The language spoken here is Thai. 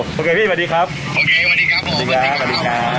โอเคพี่สวัสดีครับสวัสดีครับสวัสดีครับสวัสดีครับโอเคสวัสดีครับ